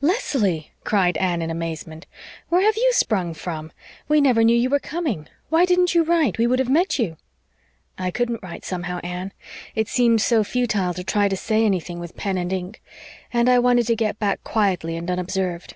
"Leslie!" cried Anne in amazement. "Where have you sprung from? We never knew you were coming. Why didn't you write? We would have met you." "I couldn't write somehow, Anne. It seemed so futile to try to say anything with pen and ink. And I wanted to get back quietly and unobserved."